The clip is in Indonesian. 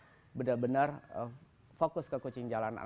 saya benar benar fokus ke kucing jalanan